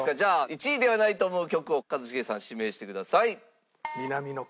１位ではないと思う曲を一茂さん指名してください。